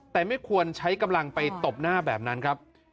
แต่ไม่ควรใช้กำลังไปตบหน้าแบบนั้นครับ